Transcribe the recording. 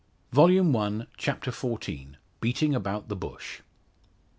Volume One, Chapter XIV. BEATING ABOUT THE BUSH.